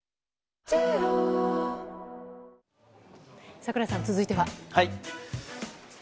櫻井さん、続いては。